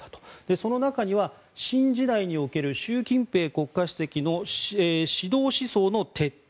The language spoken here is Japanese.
その中には新時代における習近平国家主席の指導思想の徹底。